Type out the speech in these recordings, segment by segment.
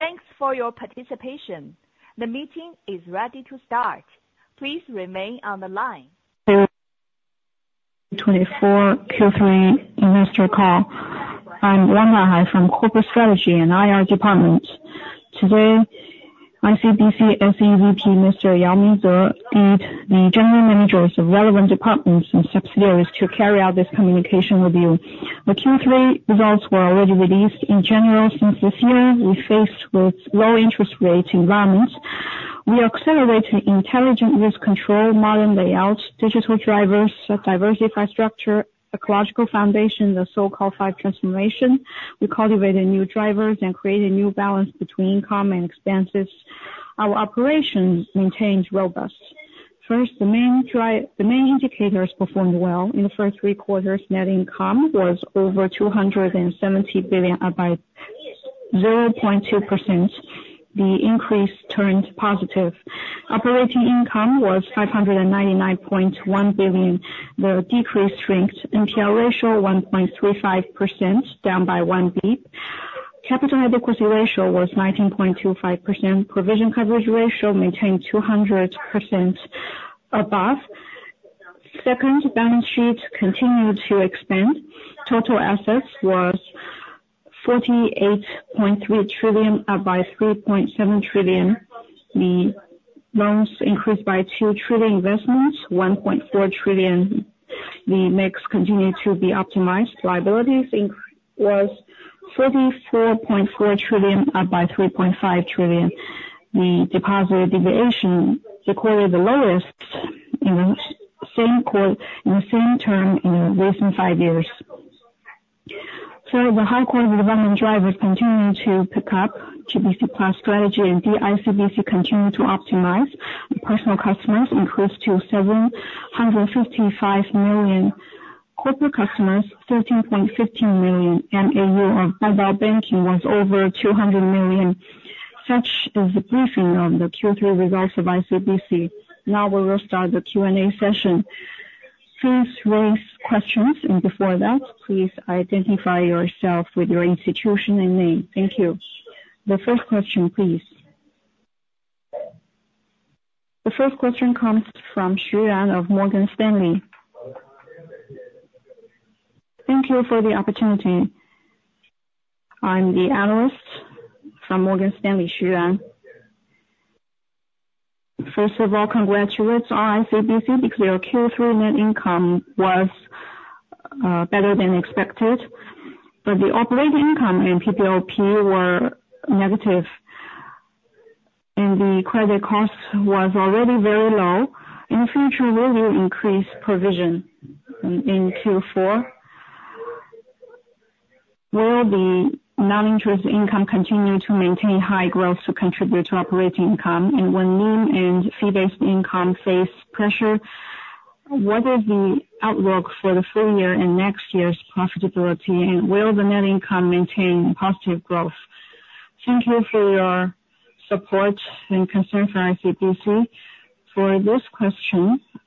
Thanks for your participation. The meeting is ready to start. Please remain on the line. Q3 ICBC Call. I'm Wang Le from Corporate Strategy and IR Department. Today, ICBC SEVP Mr. Yao Mingde and the general managers of relevant departments and subsidiaries to carry out this communication review. The Q3 results were already released. In general, since this year, we faced low-interest rate environments. We accelerated intelligent risk control, modern layouts, digital drivers, diverse infrastructure, ecological foundation, the so-called Five Transformations. We cultivated new drivers and created a new balance between income and expenses. Our operations remained robust. First, the main indicators performed well. In the first three quarters, net income was over 270 billion by 0.2%. The increase turned positive. Operating income was 599.1 billion. The decrease shrunk. NPL ratio was 1.35%, down by one basis point. Capital adequacy ratio was 19.25%. Provision coverage ratio maintained above 200%. Second, balance sheet continued to expand. Total assets were 48.3 trillion by 3.7 trillion. The loans increased by 2 trillion. Investments were 1.4 trillion. The mix continued to be optimized. Liabilities were CNY 44.4 trillion by 3.5 trillion. The deposit deviation recorded the lowest in the same term in recent five years. For the high-quality development drivers, continuing to pick up GBC+ strategy, and ICBC continued to optimize. Personal customers increased to 755 million. Corporate customers were 13.15 million. MAU of mobile banking was over 200 million. Such is the briefing of the Q3 results of ICBC. Now we will start the Q&A session. Please raise questions, and before that, please identify yourself with your institution and NIM. Thank you. The first question, please. The first question comes from Xu Yuan of Morgan Stanley. Thank you for the opportunity. I'm the analyst from Morgan Stanley, Xu Yuan. First of all, congratulations on ICBC. The Q3 net income was better than expected, but the operating income and PPOP were negative. The credit cost was already very low. In the future, we will increase provision in Q4. Will the non-interest income continue to maintain high growth to contribute to operating income? When loan and fee-based income face pressure, what is the outlook for the full year and next year's profitability? Will the net income maintain positive growth? Thank you for your support and concern for ICBC. For this question, I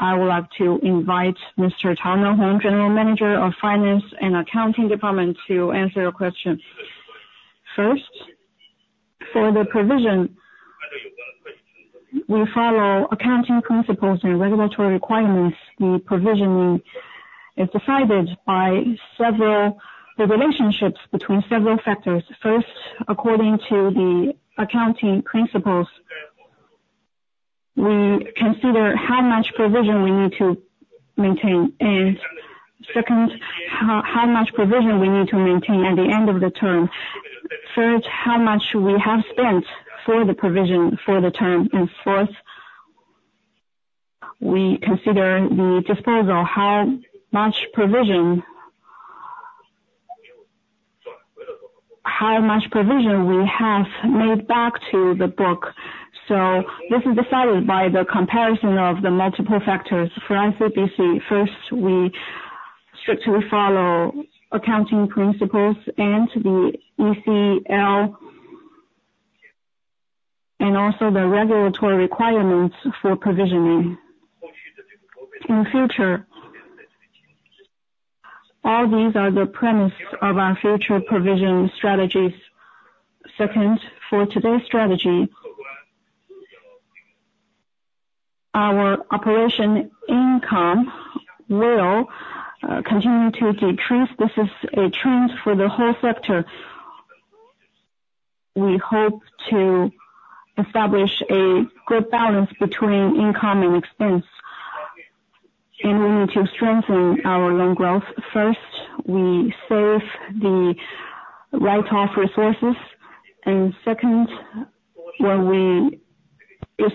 would like to invite Mr. Duan Hongtao, General Manager of Finance and Accounting Department, to answer your question. First, for the provision, we follow accounting principles and regulatory requirements. The provision is decided by several relationships between several factors. First, according to the accounting principles, we consider how much provision we need to maintain. Second, how much provision we need to maintain at the end of the term. Third, how much we have spent for the provision for the term. And fourth, we consider the disposal, how much provision we have made back to the book. So this is decided by the comparison of the multiple factors for ICBC. First, we strictly follow accounting principles and the ECL, and also the regulatory requirements for provisioning. In the future, all these are the premises of our future provision strategies. Second, for today's strategy, our operating income will continue to decrease. This is a trend for the whole sector. We hope to establish a good balance between income and expense. And we need to strengthen our loan growth. First, we save the write-off resources. Second, when we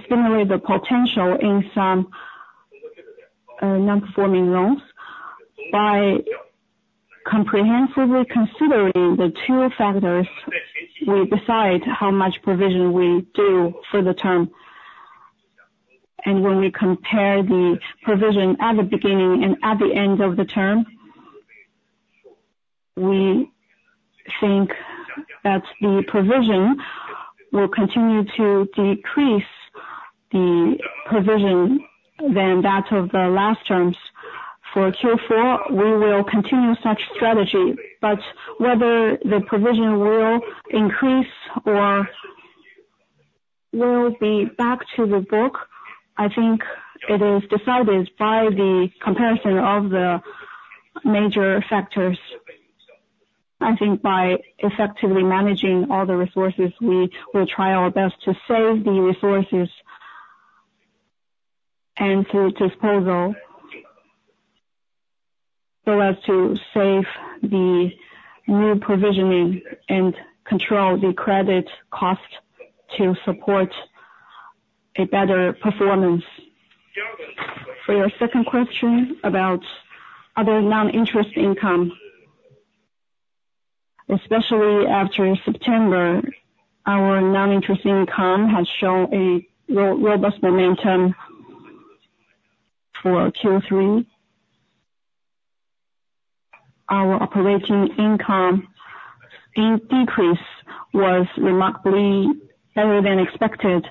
stimulate the potential in some non-performing loans, by comprehensively considering the two factors, we decide how much provision we do for the term. When we compare the provision at the beginning and at the end of the term, we think that the provision will continue to decrease the provision than that of the last terms. For Q4, we will continue such strategy. Whether the provision will increase or will be back to the book, I think it is decided by the comparison of the major factors. I think by effectively managing all the resources, we will try our best to save the resources and through disposal so as to save the new provisioning and control the credit cost to support a better performance. For your second question about other non-interest income, especially after September, our non-interest income has shown a robust momentum for Q3. Our operating income decrease was remarkably better than expected.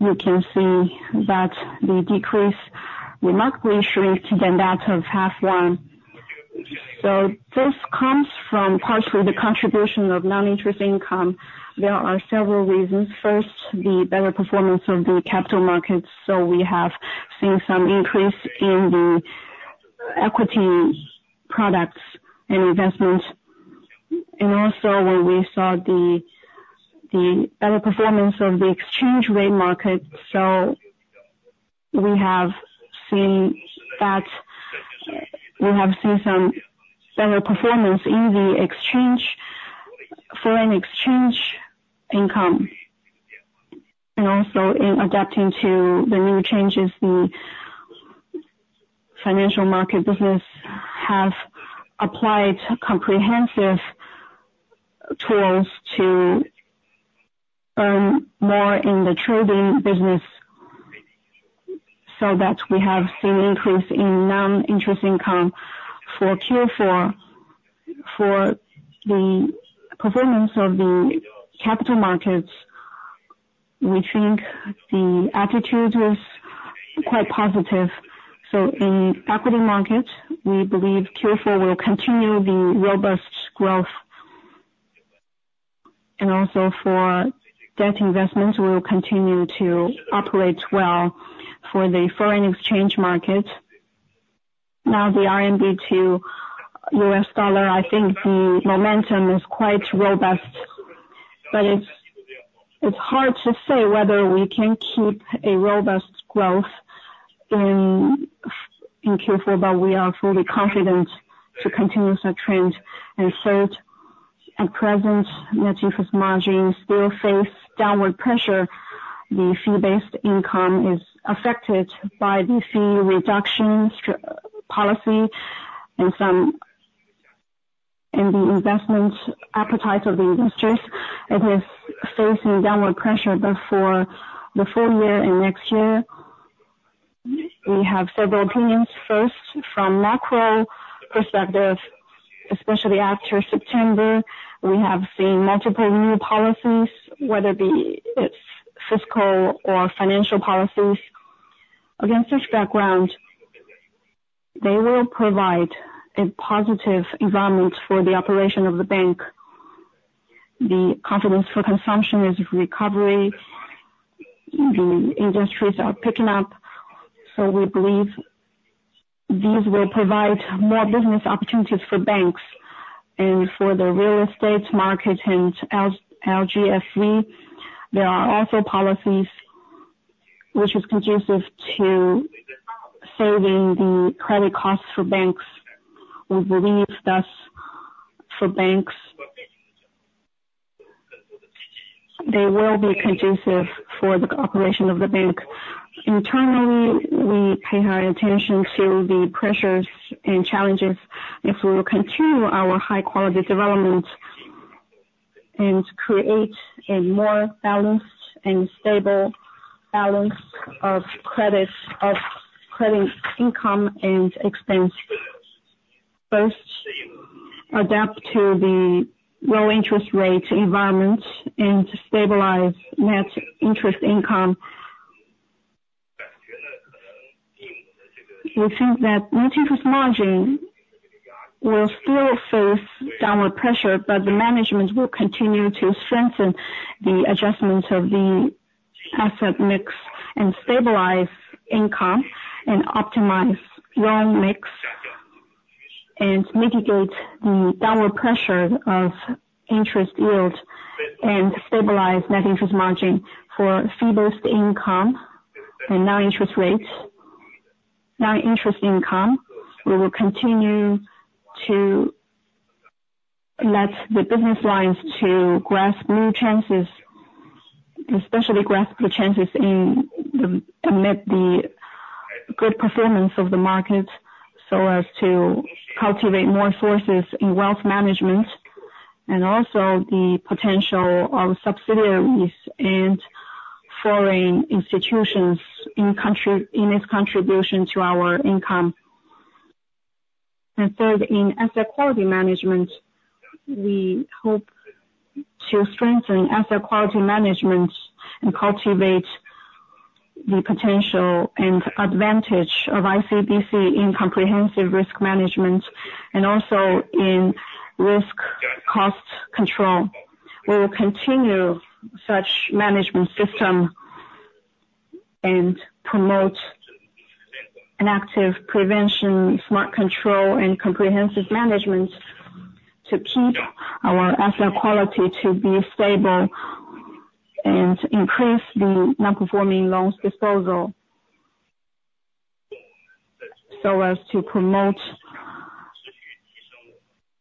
You can see that the decrease remarkably shrank than that of H1. So this comes from partially the contribution of non-interest income. There are several reasons. First, the better performance of the capital markets. We have seen some increase in the equity products and investments. And also, when we saw the better performance of the foreign exchange markets, we have seen some better performance in the foreign exchange income. And also, in adapting to the new changes, the financial market business has applied comprehensive tools to earn more in the trading business. So that we have seen an increase in non-interest income for Q4. For the performance of the capital markets, we think the attitude was quite positive. In equity markets, we believe Q4 will continue the robust growth. Also, for debt investments, we will continue to operate well for the foreign exchange markets. Now, the RMB to US dollar, I think the momentum is quite robust. But it's hard to say whether we can keep a robust growth in Q4, but we are fully confident to continue such trends. Third, at present, net interest margins still face downward pressure. The fee-based income is affected by the fee reduction policy and the investment appetite of the industries. It is facing downward pressure for the full year and next year. We have several opinions. First, from macro perspective, especially after September, we have seen multiple new policies, whether it's fiscal or financial policies. Against this background, they will provide a positive environment for the operation of the bank. The confidence for consumption is recovery. The industries are picking up. So, we believe these will provide more business opportunities for banks and for the real estate market and LGFV. There are also policies which are conducive to saving the credit costs for banks. We believe thus for banks, they will be conducive for the operation of the bank. Internally, we pay high attention to the pressures and challenges if we will continue our high-quality development and create a more balanced and stable balance of credit income and expense. First, adapt to the low-interest rate environment and stabilize net interest income. We think that net interest margin will still face downward pressure, but the management will continue to strengthen the adjustments of the asset mix and stabilize income and optimize loan mix and mitigate the downward pressure of interest yield and stabilize net interest margin for fee-based income and non-interest rates. Non-interest income, we will continue to let the business lines grasp new chances, especially grasp the chances in the midst of the good performance of the markets so as to cultivate more sources in wealth management and also the potential of subsidiaries and foreign institutions in its contribution to our income. And third, in asset quality management, we hope to strengthen asset quality management and cultivate the potential and advantage of ICBC in comprehensive risk management and also in risk cost control. We will continue such management system and promote an active prevention, smart control, and comprehensive management to keep our asset quality to be stable and increase the non-performing loans disposal so as to promote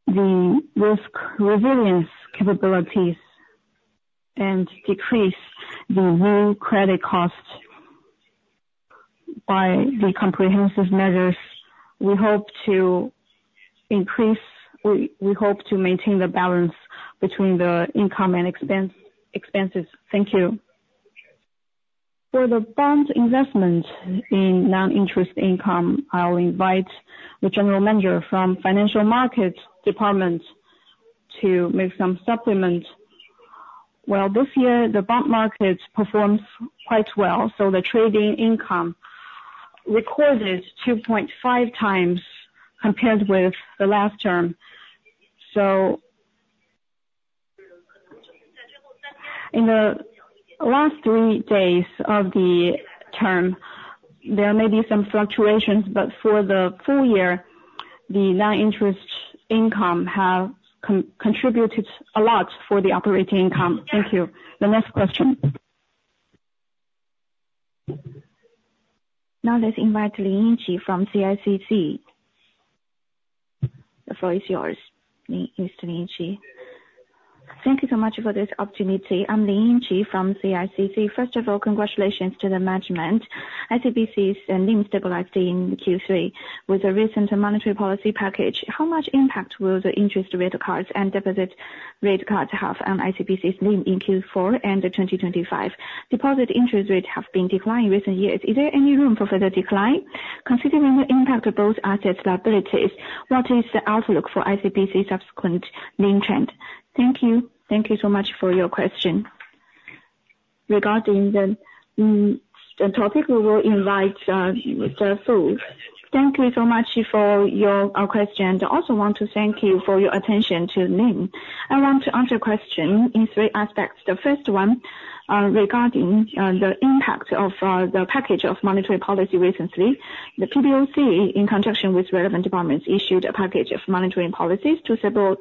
the risk resilience capabilities and decrease the new credit cost by the comprehensive measures. We hope to increase. We hope to maintain the balance between the income and expenses. Thank you. For the bond investment in non-interest income, I'll invite the General Manager from Financial Markets Department to make some supplement. This year, the bond market performs quite well. So the trading income recorded 2.5 times compared with the last term. So in the last three days of the term, there may be some fluctuations, but for the full year, the non-interest income has contributed a lot for the operating income. Thank you. The next question. Now, let's invite Lin Yingqi from CICC. The floor is yours, Mr. Lin Yingqi. Thank you so much for this opportunity. I'm Lin Yingqi from CICC. First of all, congratulations to the management. ICBC's NIM stabilized in Q3 with a recent monetary policy package. How much impact will the interest rate cuts and deposit rate cuts have on ICBC's NIM in Q4 and 2025? Deposit interest rates have been declining in recent years. Is there any room for further decline? Considering the impact of both assets' liabilities, what is the outlook for ICBC's subsequent NIM trend? Thank you. Thank you so much for your question. Regarding the topic, we will invite Mr. Fu. Thank you so much for your question. I also want to thank you for your attention to NIM. I want to answer questions in three aspects. The first one regarding the impact of the package of monetary policy recently. The PBOC, in conjunction with relevant departments, issued a package of monetary policies to support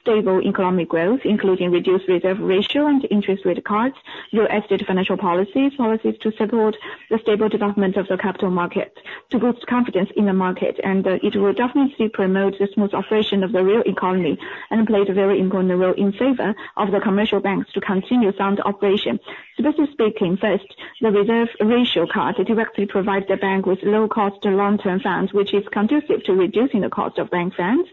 stable economic growth, including reduced reserve ratio and interest rate cuts, U.S. debt financial policies, policies to support the stable development of the capital market, to boost confidence in the market. It will definitely promote the smooth operation of the real economy and play a very important role in favor of the commercial banks to continue sound operation. Specifically speaking, first, the reserve ratio cut directly provides the bank with low-cost long-term funds, which is conducive to reducing the cost of bank funds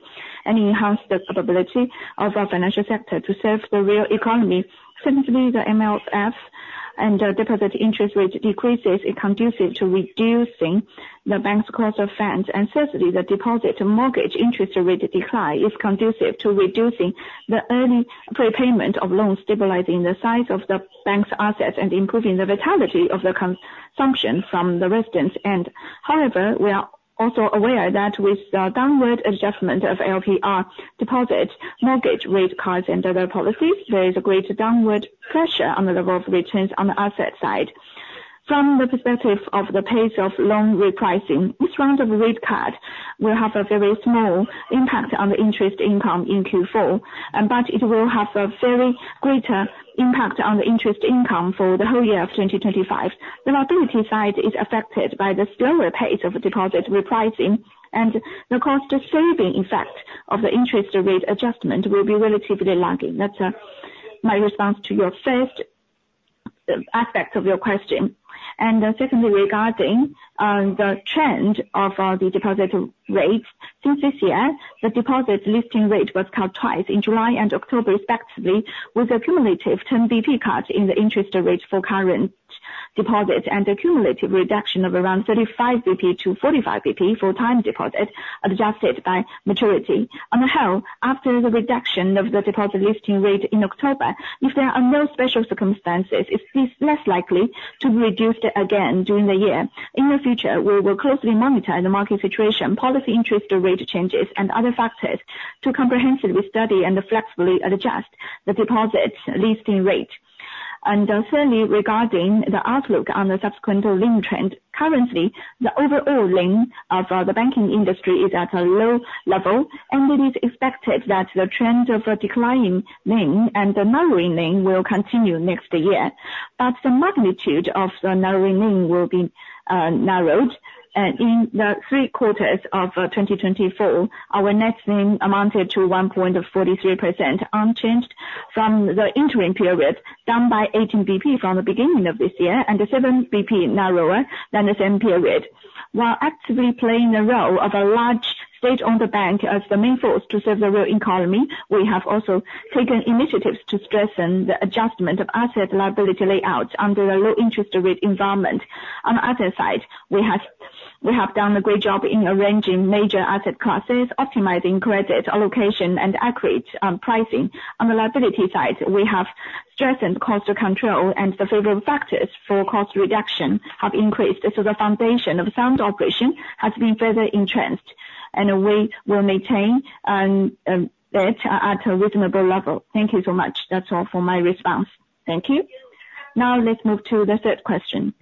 and enhance the capability of our financial sector to serve the real economy. Secondly, the MLF and the deposit interest rate decreases is conducive to reducing the bank's cost of funds. And thirdly, the deposit and mortgage interest rate decline is conducive to reducing the early prepayment of loans, stabilizing the size of the bank's assets and improving the vitality of the consumption from the residents. And however, we are also aware that with the downward adjustment of LPR, deposit, mortgage rate cuts, and other policies, there is a great downward pressure on the level of returns on the asset side. From the perspective of the pace of loan repricing, this round of rate cuts will have a very small impact on the interest income in Q4, but it will have a very great impact on the interest income for the whole year of 2025. The liability side is affected by the slower pace of deposit repricing, and the cost-saving effect of the interest rate adjustment will be relatively lagging. That's my response to your first aspect of your question. Secondly, regarding the trend of the deposit rates, since this year, the deposit listing rate was cut twice in July and October, respectively, with a cumulative 10 BP cut in the interest rate for current deposits and a cumulative reduction of around 35-45 BP for time deposit adjusted by maturity. On the whole, after the reduction of the deposit listing rate in October, if there are no special circumstances, it is less likely to be reduced again during the year. In the future, we will closely monitor the market situation, policy interest rate changes, and other factors to comprehensively study and flexibly adjust the deposit listing rate. Thirdly, regarding the outlook on the subsequent interest margin trend, currently, the overall interest margin of the banking industry is at a low level, and it is expected that the trend of declining interest margin and the narrowing interest margin will continue next year. But the magnitude of the narrowing interest margin will be narrowed. In the three quarters of 2024, our net interest margin amounted to 1.43%, unchanged from the interim period, down by 18 basis points from the beginning of this year and 7 basis points narrower than the same period. While actively playing the role of a large state-owned bank as the main force to serve the real economy, we have also taken initiatives to strengthen the adjustment of asset liability layouts under a low-interest rate environment. On the asset side, we have done a great job in arranging major asset classes, optimizing credit allocation, and accurate pricing. On the liability side, we have strengthened cost control, and the favorable factors for cost reduction have increased. So the foundation of sound operation has been further enhanced, and we will maintain that at a reasonable level. Thank you so much. That's all for my response. Thank you. Now, let's move to the third question.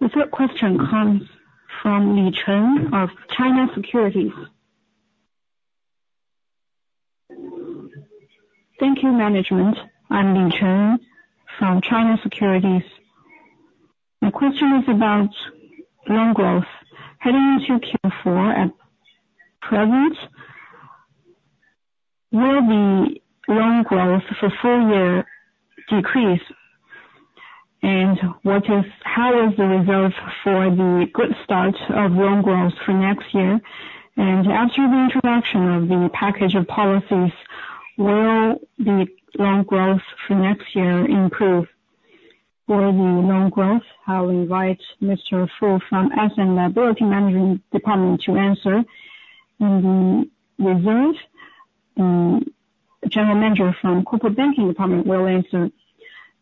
The third question comes from Lin Cheng of China Securities. Thank you, management. I'm Lin Cheng from China Securities. My question is about loan growth. Heading into Q4 at present, will the loan growth for full year decrease? And how is the reserve for the good start of loan growth for next year? And after the introduction of the package of policies, will the loan growth for next year improve? For the loan growth, I'll invite Mr. Fu from Asset and Liability Management Department to answer. The General Manager from Corporate Banking Department will answer.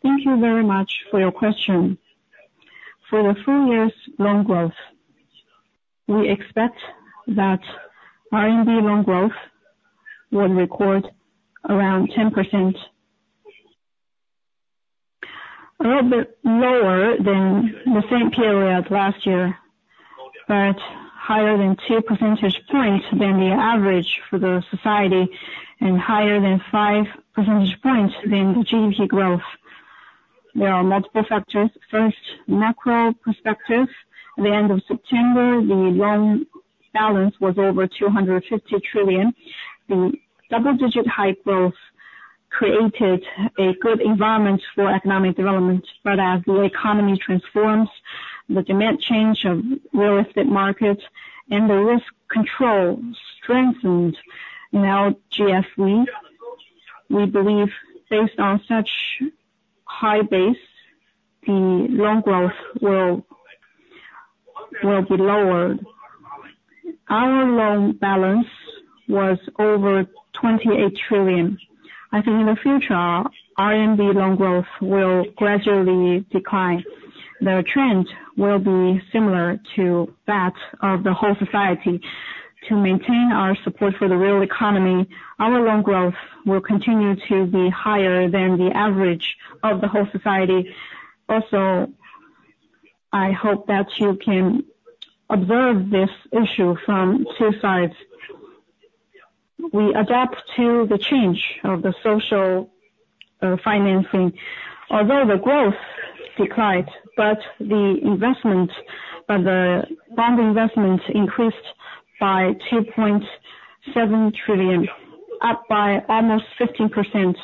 Thank you very much for your question. For the full year's loan growth, we expect that RMB loan growth will record around 10%, a little bit lower than the same period last year, but higher than 2 percentage points than the average for the society and higher than 5 percentage points than the GDP growth. There are multiple factors. First, macro perspective. At the end of September, the loan balance was over 250 trillion. The double-digit high growth created a good environment for economic development. But as the economy transforms, the demand change of real estate markets and the risk control strengthened in LGFV, we believe based on such high base, the loan growth will be lowered. Our loan balance was over 28 trillion. I think in the future, RMB loan growth will gradually decline. The trend will be similar to that of the whole society. To maintain our support for the real economy, our loan growth will continue to be higher than the average of the whole society. Also, I hope that you can observe this issue from two sides. We adapt to the change of the social financing. Although the growth declined, the bond investment increased by 2.7 trillion, up by almost 15%.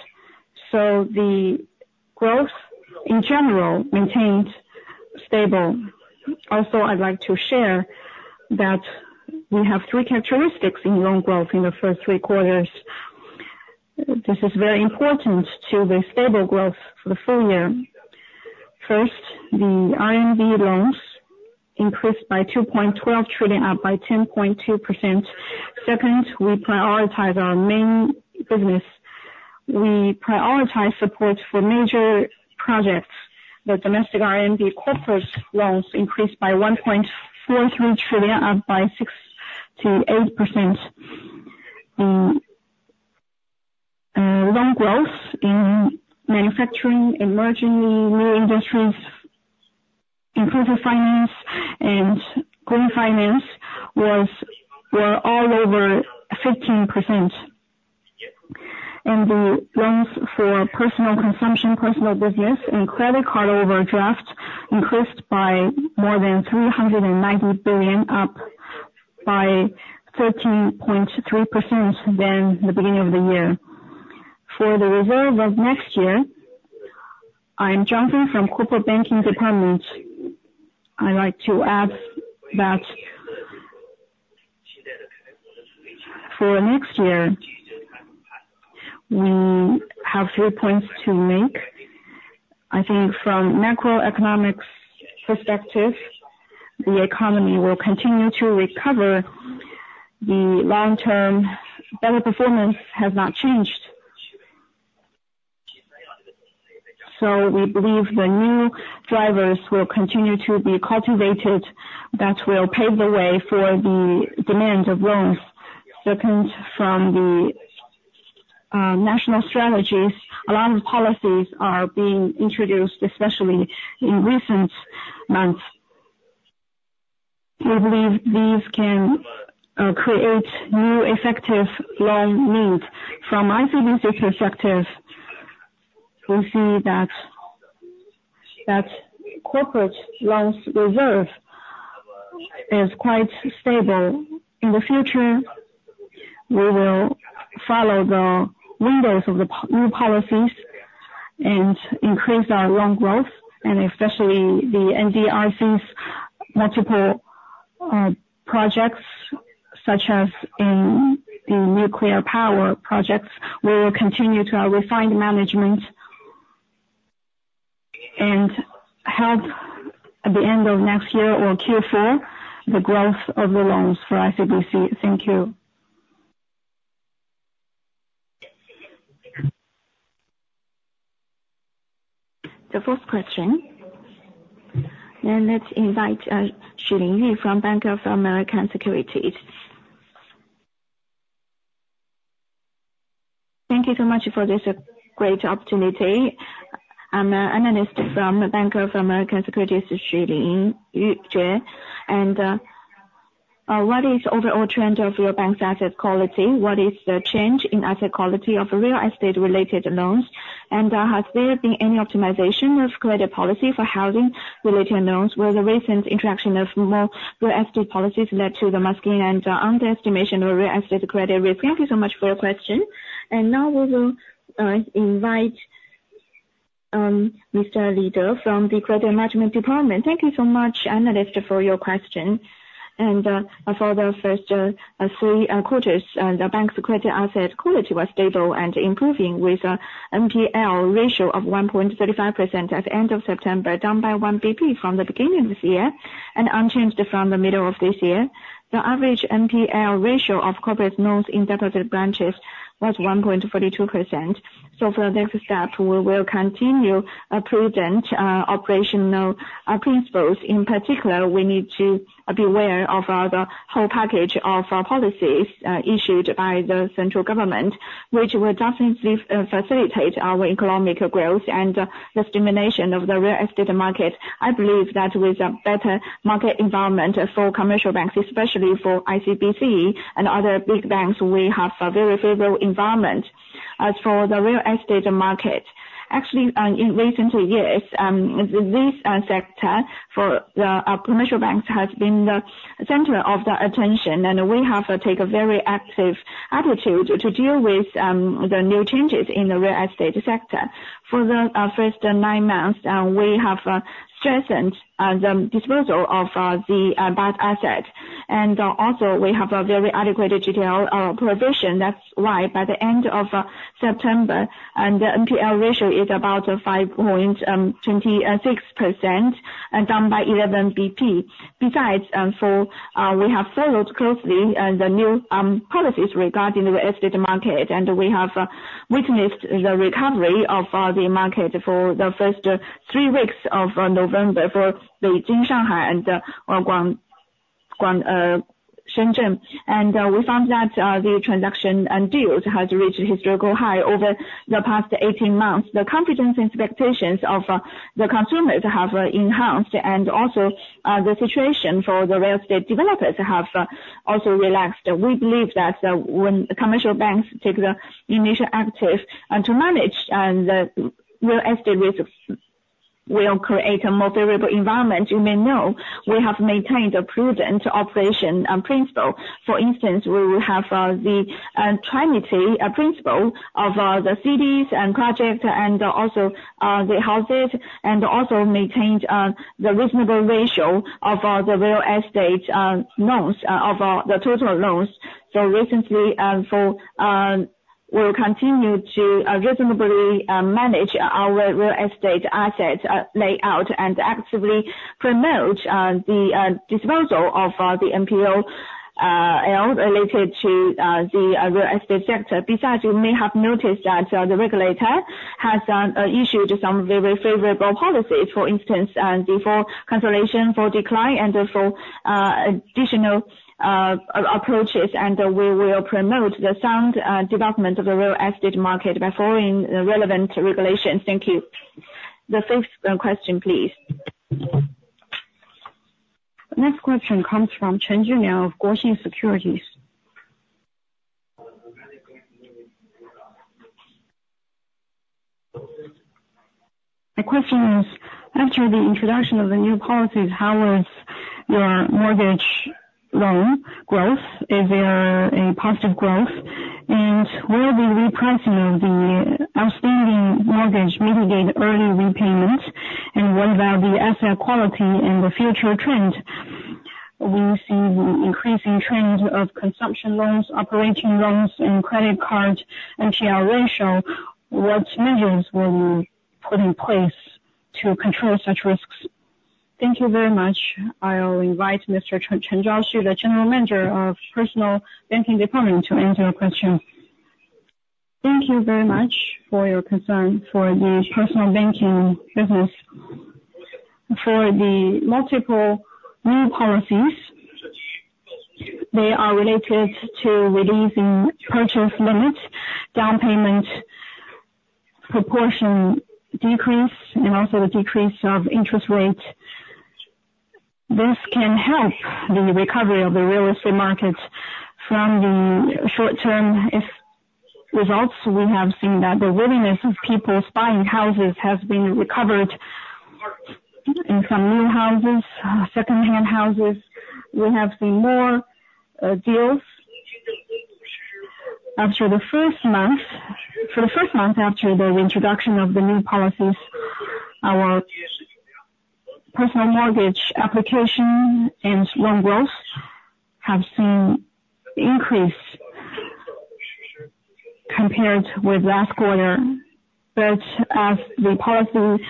So the growth in general maintained stable. Also, I'd like to share that we have three characteristics in loan growth in the first three quarters. This is very important to the stable growth for the full year. First, the RMB loans increased by 2.12 trillion, up by 10.2%. Second, we prioritize our main business. We prioritize support for major projects. The domestic RMB corporate loans increased by 1.43 trillion, up by 6%-8%. Loan growth in manufacturing, emerging new industries, inclusive finance, and green finance were all over 15%. The loans for personal consumption, personal business, and credit card overdraft increased by more than 390 billion, up by 13.3% than the beginning of the year. For the reserve of next year, I'm Zhang Tong from Corporate Banking Department. I'd like to add that for next year, we have three points to make. I think from macroeconomic perspective, the economy will continue to recover. The long-term better performance has not changed, so we believe the new drivers will continue to be cultivated that will pave the way for the demand of loans. Second, from the national strategies, a lot of policies are being introduced, especially in recent months. We believe these can create new effective loan needs. From ICBC perspective, we see that corporate loans reserve is quite stable. In the future, we will follow the windows of the new policies and increase our loan growth, and especially the NDRC's multiple projects, such as in the nuclear power projects. We will continue to have refined management and help at the end of next year or Q4 the growth of the loans for ICBC. Thank you. The fourth question. Then, let's invite Xu Lingyu from Bank of America Securities. Thank you so much for this great opportunity. I'm an analyst from Bank of America Securities, Xu Lingyu. And what is the overall trend of your bank's asset quality? What is the change in asset quality of real estate-related loans? And has there been any optimization of credit policy for housing-related loans? Will the recent introduction of more real estate policies lead to the masking and underestimation of real estate credit risk? Thank you so much for your question. And now we will invite Mr. Li Duo from the Credit Management Department. Thank you so much, analyst, for your question. And for the first three quarters, the bank's credit asset quality was stable and improving with an NPL ratio of 1.35% at the end of September, down by 1 basis point from the beginning of the year and unchanged from the middle of this year. The average NPL ratio of corporate loans in domestic branches was 1.42%. So for the next step, we will continue present operational principles. In particular, we need to be aware of the whole package of policies issued by the central government, which will definitely facilitate our economic growth and the stimulation of the real estate market. I believe that with a better market environment for commercial banks, especially for ICBC and other big banks, we have a very favorable environment for the real estate market. Actually, in recent years, this sector for the commercial banks has been the center of the attention, and we have taken a very active attitude to deal with the new changes in the real estate sector. For the first nine months, we have strengthened the disposal of the bad assets, and also we have a very adequate ECL provision. That's why by the end of September, the NPL ratio is about 5.26%, down by 11 basis points. Besides, we have followed closely the new policies regarding the real estate market, and we have witnessed the recovery of the market for the first three weeks of November for Beijing, Shanghai, and Shenzhen, and we found that the transaction deals have reached historical highs over the past 18 months. The confidence expectations of the consumers have enhanced, and also the situation for the real estate developers has also relaxed. We believe that when commercial banks take the initiative to actively manage the real estate risks, it will create a more favorable environment. You may know we have maintained a prudent operation principle. For instance, we will have the trinity principle of the cities, districts, and projects and also the houses, and also maintained the reasonable ratio of the real estate loans of the total loans. So recently, we will continue to reasonably manage our real estate asset layout and actively promote the disposal of the NPL related to the real estate sector. Besides, you may have noticed that the regulator has issued some very favorable policies. For instance, the full classification for decline and for additional provisions, and we will promote the sound development of the real estate market by following relevant regulations. Thank you. The fifth question, please. The next question comes from Chen Junyao of Guoxin Securities. The question is, after the introduction of the new policies, how is your mortgage loan growth? Is there a positive growth? And will the repricing of the outstanding mortgage mitigate early repayment? And what about the asset quality and the future trend? We see the increasing trend of consumption loans, operating loans, and credit card MPL ratio. What measures will you put in place to control such risks? Thank you very much. I'll invite Mr. Chen Zhaoxuan, the General Manager of the Personal Banking Department, to answer your question. Thank you very much for your concern for the personal banking business. For the multiple new policies, they are related to releasing purchase limits, down payment proportion decrease, and also the decrease of interest rates. This can help the recovery of the real estate market from the short-term results. We have seen that the willingness of people buying houses has been recovered in some new houses, second-hand houses. We have seen more deals. For the first month after the introduction of the new policies, our personal mortgage applications and loan growth have seen an increase compared with last quarter. But as the policy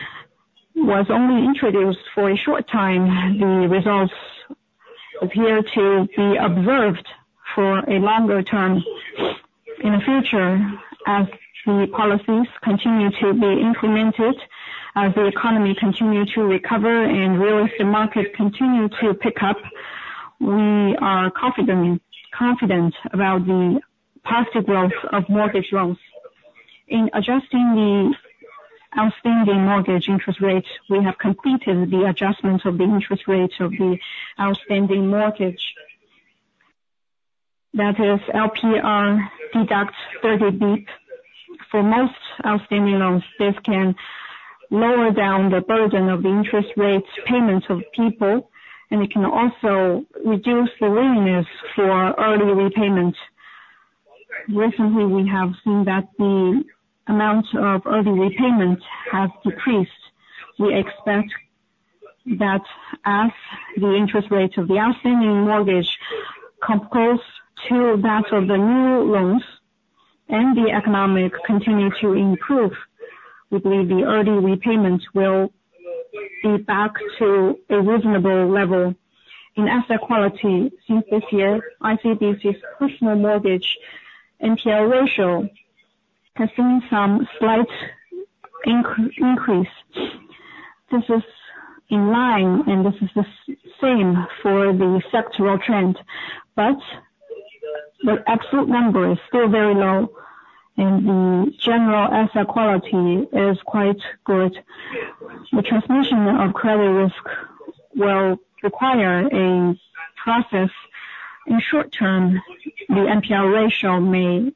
was only introduced for a short time, the results appear to be observed for a longer term. In the future, as the policies continue to be implemented, as the economy continues to recover and the real estate market continues to pick up, we are confident about the positive growth of mortgage loans. In adjusting the outstanding mortgage interest rate, we have completed the adjustment of the interest rate of the outstanding mortgage. That is LPR deduct 30 basis points. For most outstanding loans, this can lower down the burden of the interest rate payments of people, and it can also reduce the willingness for early repayment. Recently, we have seen that the amount of early repayment has decreased. We expect that as the interest rate of the outstanding mortgage compares to that of the new loans and the economy continues to improve, we believe the early repayment will be back to a reasonable level. In asset quality, since this year, ICBC's personal mortgage NPL ratio has seen some slight increase. This is in line, and this is the same for the sectoral trend. But the absolute number is still very low, and the general asset quality is quite good. The transmission of credit risk will require a process. In short term, the NPL ratio may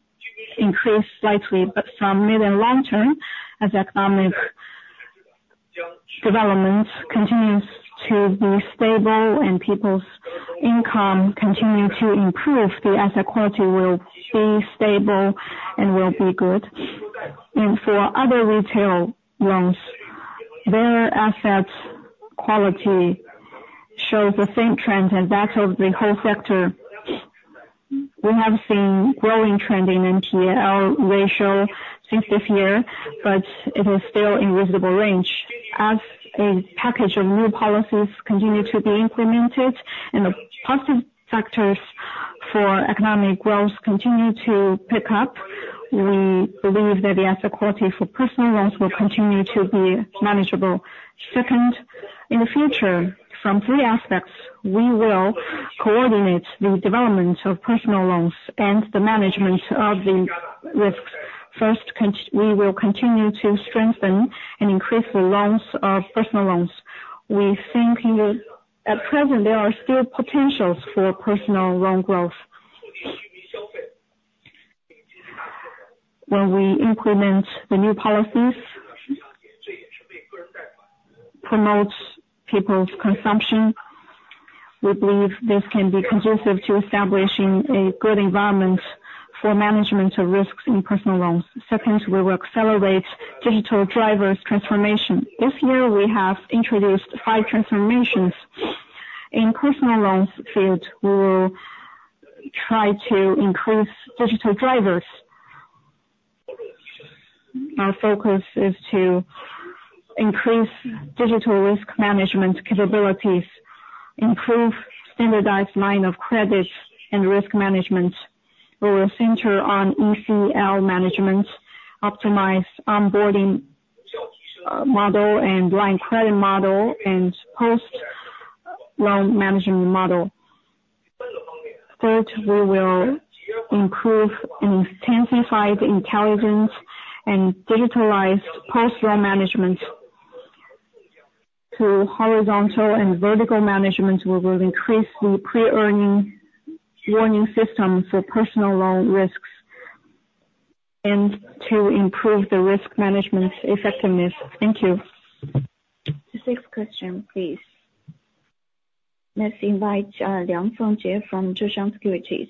increase slightly, but from mid and long term, as economic development continues to be stable and people's income continues to improve, the asset quality will be stable and will be good, and for other retail loans, their asset quality shows the same trend, and that's of the whole sector. We have seen a growing trend in NPL ratio since this year, but it is still in a reasonable range. As a package of new policies continues to be implemented and the positive factors for economic growth continue to pick up, we believe that the asset quality for personal loans will continue to be manageable. Second, in the future, from three aspects, we will coordinate the development of personal loans and the management of the risks. First, we will continue to strengthen and increase the loans of personal loans. We think at present there are still potentials for personal loan growth. When we implement the new policies, promote people's consumption, we believe this can be conducive to establishing a good environment for management of risks in personal loans. Second, we will accelerate digital drivers transformation. This year, we have introduced five transformations in the personal loans field. We will try to increase digital drivers. Our focus is to increase digital risk management capabilities, improve the standardized line of credit and risk management. We will center on ECL management, optimize onboarding model and line credit model and post-loan management model. Third, we will improve and intensify the intelligence and digitalize post-loan management. Through horizontal and vertical management, we will increase the early warning system for personal loan risks and to improve the risk management effectiveness. Thank you. The sixth question, please. Let's invite Liang Fengjie from Zheshang Securities.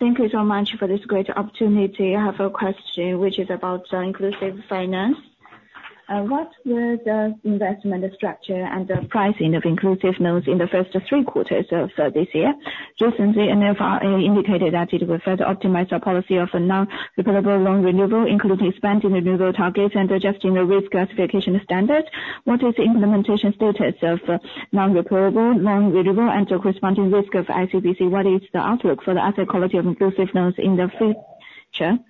Thank you so much for this great opportunity. I have a question, which is about inclusive finance. What were the investment structure and the pricing of inclusive loans in the first three quarters of this year? Recently, NFRA indicated that it will further optimize the policy of seamless loan renewal, including expanding renewal targets and adjusting the risk classification standard. What is the implementation status of seamless loan renewal and the corresponding risk of ICBC? What is the outlook for the asset quality of inclusive loans in the future? Now let's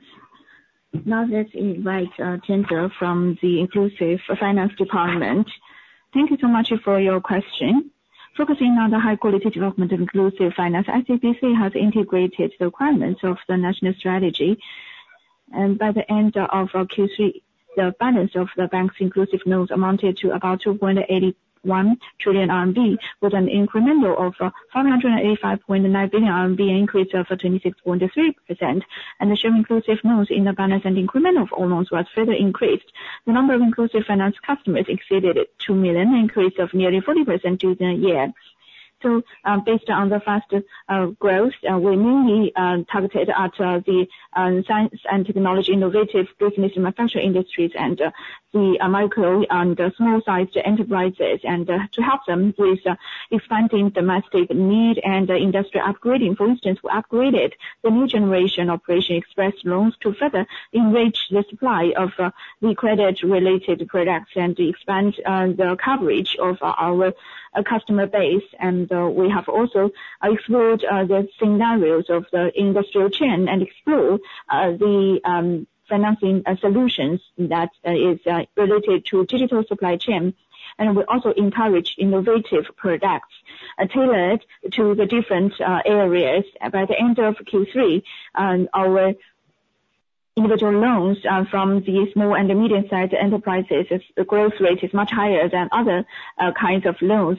invite Tian Fenglin from the Inclusive Finance Department. Thank you so much for your question. Focusing on the high-quality development of inclusive finance, ICBC has integrated the requirements of the national strategy. By the end of Q3, the balance of the bank's inclusive loans amounted to about 2.81 trillion RMB, with an incremental of 585.9 billion RMB, an increase of 26.3%. The share of inclusive loans in the balance and incremental for loans was further increased. The number of inclusive finance customers exceeded 2 million, an increase of nearly 40% during the year. Based on the fast growth, we mainly targeted at the science and technology innovative business manufacturing industries and the micro and small-sized enterprises to help them with expanding domestic need and industrial upgrading. For instance, we upgraded the new generation Operation Express Loans to further enrich the supply of the credit-related products and expand the coverage of our customer base. We have also explored the scenarios of the industrial chain and explored the financing solutions that are related to digital supply chain. We also encouraged innovative products tailored to the different areas. By the end of Q3, our inclusive loans to small and medium-sized enterprises, the growth rate is much higher than other kinds of loans.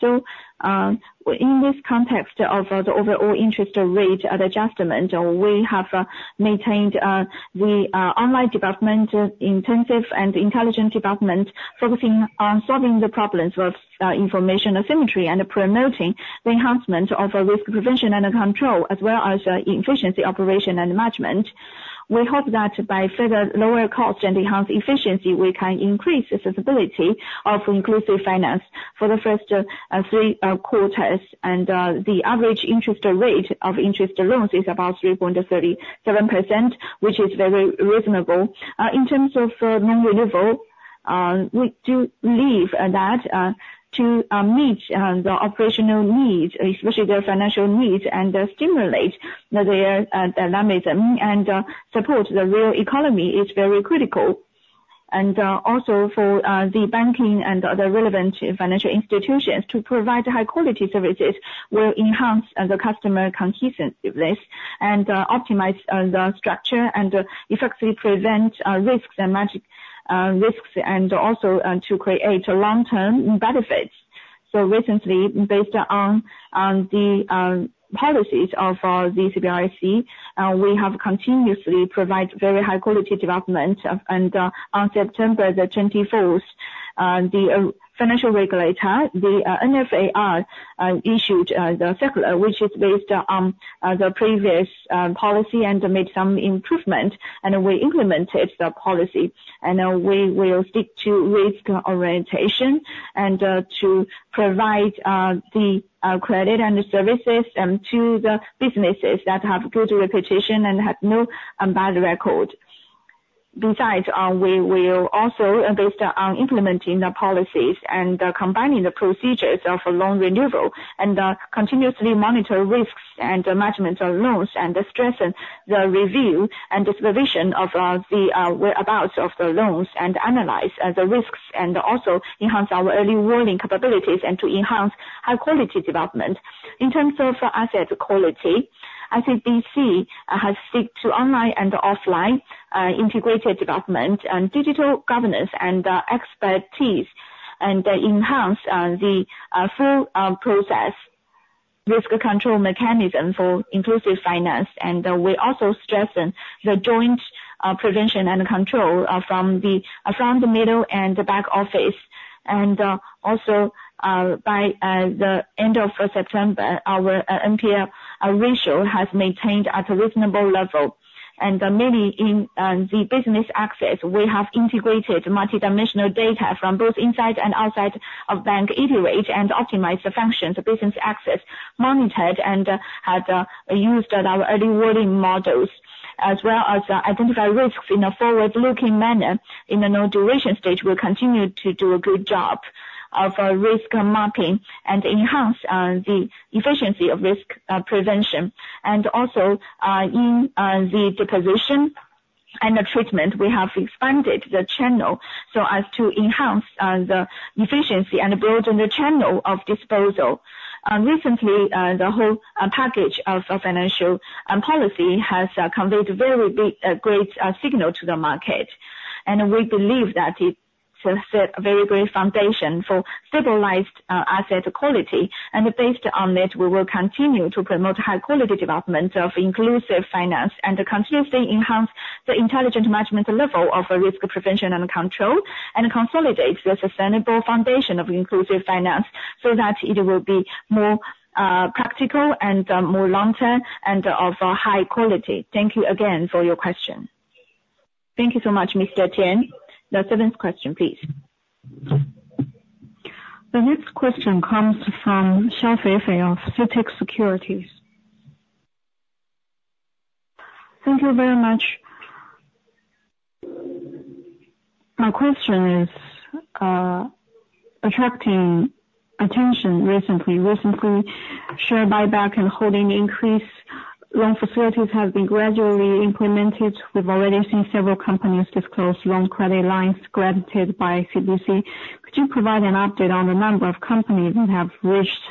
So in this context of the overall interest rate adjustment, we have maintained the online development, intensive and intelligent development, focusing on solving the problems of information asymmetry and promoting the enhancement of risk prevention and control, as well as efficiency operation and management. We hope that by further lower cost and enhanced efficiency, we can increase the feasibility of inclusive finance for the first three quarters. The average interest rate of inclusive loans is about 3.37%, which is very reasonable. In terms of non-repayment, we do believe that to meet the operational needs, especially their financial needs, and stimulate their dynamism and support the real economy is very critical. Also for the banking and other relevant financial institutions, to provide high-quality services will enhance the customer cohesiveness and optimize the structure and effectively prevent risks and also to create long-term benefits. Recently, based on the policies of the CBIRC, we have continuously provided very high-quality development. On September the 24th, the financial regulator, the NFRA, issued the circular, which is based on the previous policy and made some improvements. We implemented the policy. We will stick to risk orientation and to provide the credit and services to the businesses that have good reputation and have no bad record. Besides, we will also, based on implementing the policies and combining the procedures of loan renewal, and continuously monitor risks and management of loans, and strengthen the review and the supervision of the whereabouts of the loans, and analyze the risks, and also enhance our early warning capabilities and to enhance high-quality development. In terms of asset quality, ICBC has stuck to online and offline integrated development and digital governance and expertise, and enhanced the full process risk control mechanism for inclusive finance, and we also strengthened the joint prevention and control from the front, middle, and back office, and also, by the end of September, our NPL ratio has maintained at a reasonable level. And mainly in the business access, we have integrated multidimensional data from both inside and outside of bank iterate and optimize the functions. The business has monitored and has used our early warning models, as well as to identify risks in a forward-looking manner. In the normalization stage, we continue to do a good job of risk mapping and enhance the efficiency of risk prevention. Also, in the disposal and the treatment, we have expanded the channel so as to enhance the efficiency and broaden the channel of disposal. Recently, the whole package of financial policy has conveyed a very great signal to the market. We believe that it set a very great foundation for stabilized asset quality. Based on that, we will continue to promote high-quality development of Inclusive Finance and continuously enhance the intelligent management level of risk prevention and control, and consolidate the sustainable foundation of Inclusive Finance so that it will be more practical and more long-term and of high quality. Thank you again for your question. Thank you so much, Mr. Tian. The seventh question, please. The next question comes from Xiao Feifei of CITIC Securities. Thank you very much. My question is attracting attention recently. Recently, share buyback and holding increase. Loan facilities have been gradually implemented. We've already seen several companies disclose loan credit lines granted by ICBC. Could you provide an update on the number of companies that have reached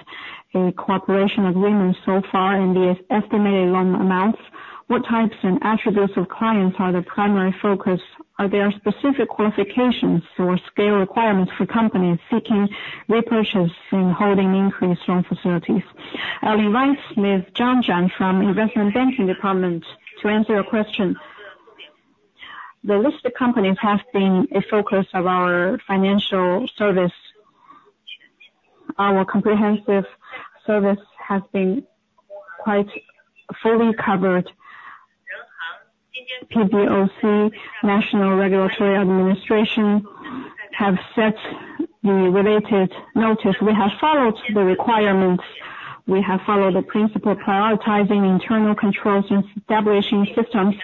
a cooperation agreement so far and the estimated loan amounts? What types and attributes of clients are the primary focus? Are there specific qualifications or scale requirements for companies seeking repurchase and holding increased loan facilities? I'll invite Mr. Zhang Jiang from the Investment Banking Department to answer your question. The listed companies have been a focus of our financial service. Our comprehensive service has been quite fully covered. PBOC, National Financial Regulatory Administration, have set the related notice. We have followed the requirements. We have followed the principle of prioritizing internal controls and establishing systems.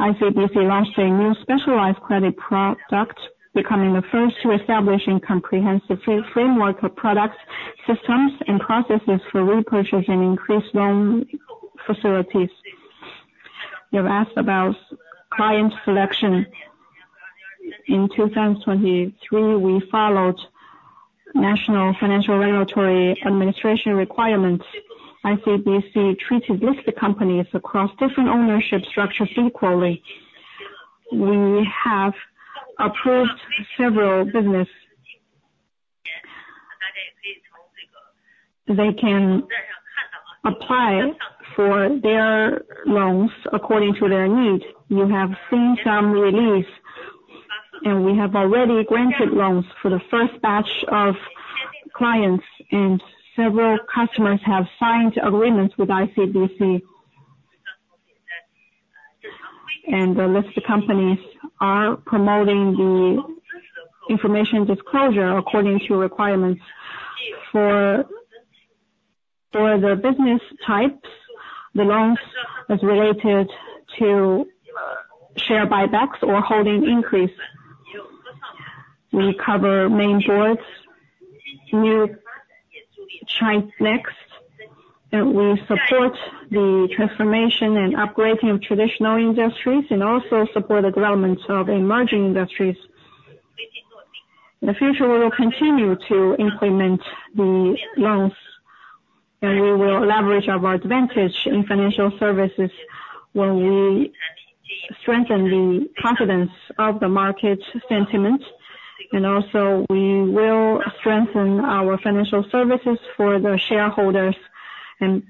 ICBC launched a new specialized credit product, becoming the first to establish a comprehensive framework of products, systems, and processes for repurchase and increased loan facilities. You've asked about client selection. In 2023, we followed National Financial Regulatory Administration requirements. ICBC treated listed companies across different ownership structures equally. We have approved several businesses. They can apply for their loans according to their need. You have seen some release, and we have already granted loans for the first batch of clients, and several customers have signed agreements with ICBC, and the listed companies are promoting the information disclosure according to requirements. For the business types, the loans are related to share buybacks or holding increase. We cover main boards, New Third Board, and we support the transformation and upgrading of traditional industries, and also support the development of emerging industries. In the future, we will continue to implement the loans, and we will leverage our advantage in financial services when we strengthen the confidence of the market sentiment. And also, we will strengthen our financial services for the shareholders and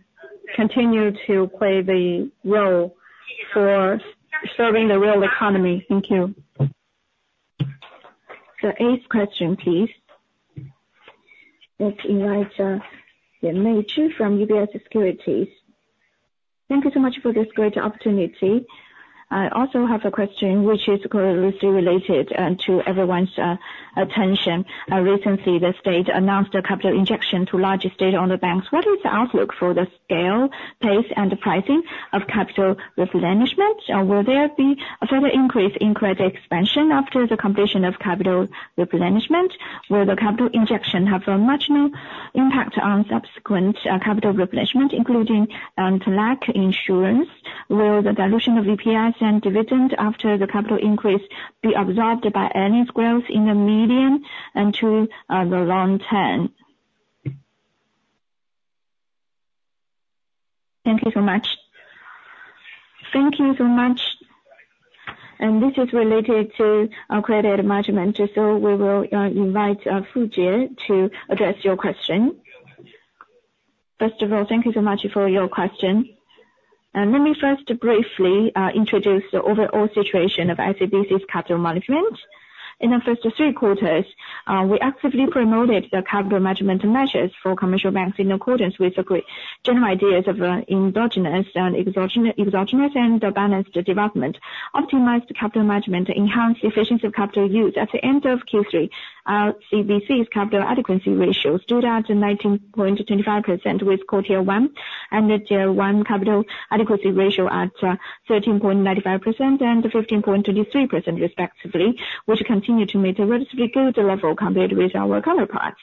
continue to play the role for serving the real economy. Thank you. The eighth question, please. Let's invite the analyst from UBS Securities. Thank you so much for this great opportunity. I also have a question which is closely related to everyone's attention. Recently, the state announced a capital injection to large state-owned banks. What is the outlook for the scale, pace, and pricing of capital replenishment? Will there be a further increase in credit expansion after the completion of capital replenishment? Will the capital injection have a much more impact on subsequent capital replenishment, including TLAC issuance? Will the dilution of EPS and dividend after the capital increase be absorbed by earnings growth in the medium and to the long term? Thank you so much. Thank you so much. This is related to credit management, so we will invite Fu Jie to address your question. First of all, thank you so much for your question. Let me first briefly introduce the overall situation of ICBC's capital management. In the first three quarters, we actively promoted the capital management measures for commercial banks in accordance with the general ideas of endogenous and exogenous and balanced development. Optimized capital management enhanced efficiency of capital use. At the end of Q3, ICBC's capital adequacy ratios stood at 19.25% with core tier one and tier one capital adequacy ratio at 13.95% and 15.23%, respectively, which continued to meet a relatively good level compared with our counterparts.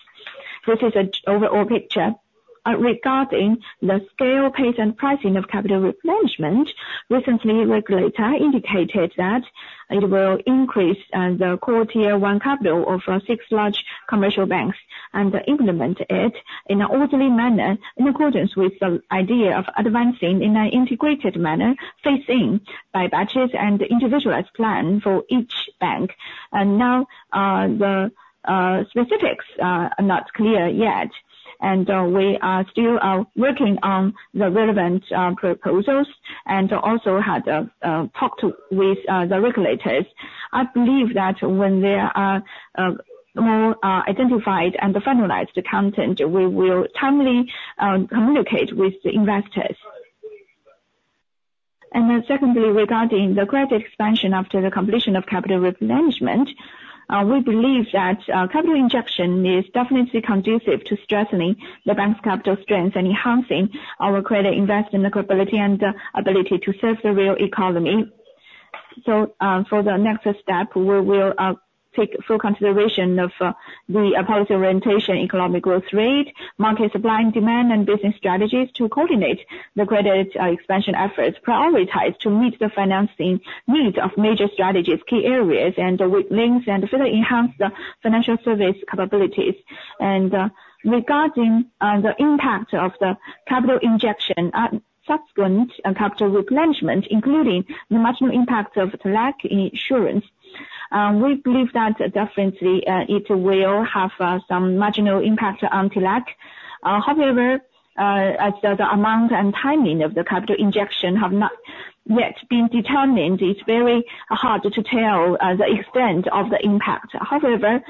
This is an overall picture. Regarding the scale, pace, and pricing of capital replenishment, recently, the regulator indicated that it will increase the core tier one capital of six large commercial banks and implement it in an orderly manner in accordance with the idea of advancing in an integrated manner, facing buyback and individualized plan for each bank. Now, the specifics are not clear yet, and we are still working on the relevant proposals and also had a talk with the regulators. I believe that when there are more identified and finalized content, we will timely communicate with the investors. And then secondly, regarding the credit expansion after the completion of capital replenishment, we believe that capital injection is definitely conducive to strengthening the bank's capital strength and enhancing our credit investment capability and ability to serve the real economy. So for the next step, we will take full consideration of the policy orientation, economic growth rate, market supply and demand, and business strategies to coordinate the credit expansion efforts, prioritized to meet the financing needs of major strategic key areas and links, and further enhance the financial service capabilities. And regarding the impact of the capital injection at subsequent capital replenishment, including the marginal impact of TLAC issuance, we believe that definitely it will have some marginal impact on TLAC. However, as the amount and timing of the capital injection have not yet been determined, it's very hard to tell the extent of the impact. However,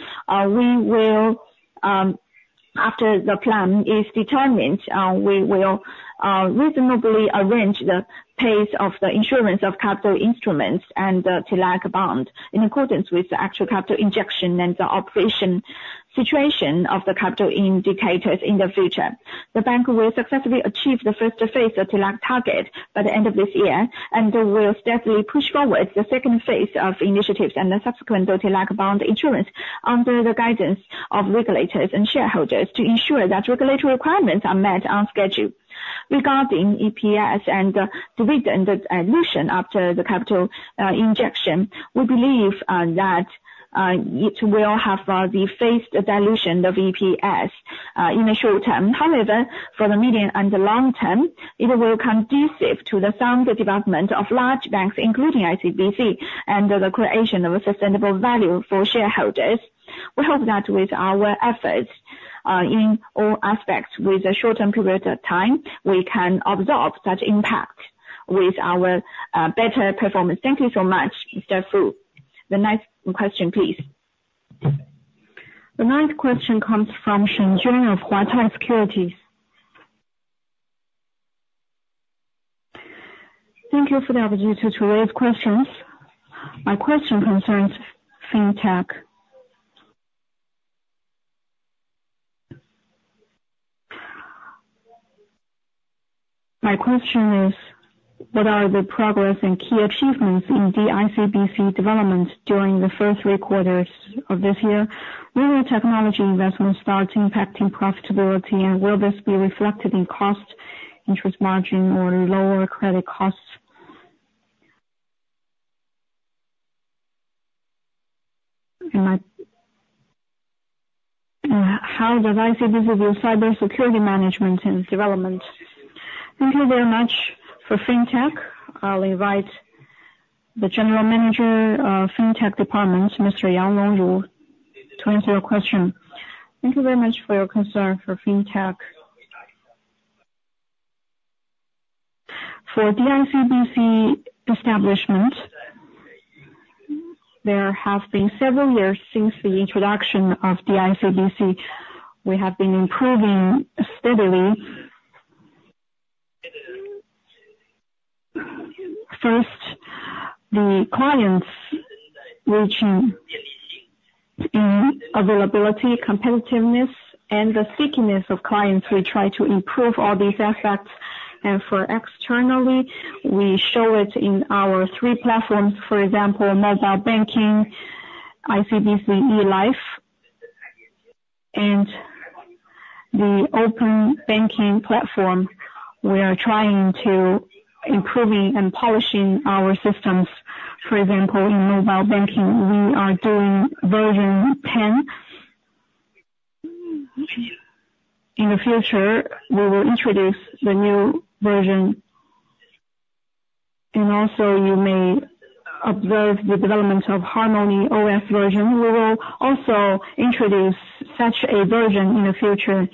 after the plan is determined, we will reasonably arrange the pace of the issuance of capital instruments and TLAC bond in accordance with the actual capital injection and the operation situation of the capital indicators in the future. The bank will successfully achieve the first phase of TLAC target by the end of this year and will steadily push forward the second phase of initiatives and the subsequent TLAC bond issuance under the guidance of regulators and shareholders to ensure that regulatory requirements are met on schedule. Regarding EPS and dividend dilution after the capital injection, we believe that it will have the phased dilution of EPS in the short term. However, for the medium and long term, it will be conducive to the sound development of large banks, including ICBC, and the creation of a sustainable value for shareholders. We hope that with our efforts in all aspects, with a short-term period of time, we can absorb such impact with our better performance. Thank you so much, Mr. Fu. The next question, please. The ninth question comes from Shen Juan of Huatai Securities. Thank you for the opportunity to raise questions. My question concerns fintech. My question is, what are the progress and key achievements in the ICBC development during the first three quarters of this year? Will the technology investment start impacting profitability, and will this be reflected in cost, interest margin, or lower credit costs? How does ICBC do cybersecurity management and development? Thank you very much for fintech. I'll invite the general manager of Fintech Department, Mr. Yang Longru, to answer your question. Thank you very much for your concern for fintech. For the ECOC establishment, there have been several years since the introduction of the ICBC. We have been improving steadily. First, the clients reaching in availability, competitiveness, and the stickiness of clients. We try to improve all these aspects, and for externally, we show it in our three platforms. For example, mobile banking, ICBC e-Life, and the open banking platform. We are trying to improve and polish our systems. For example, in mobile banking, we are doing version 10. In the future, we will introduce the new version, and also, you may observe the development of HarmonyOS version. We will also introduce such a version in the future,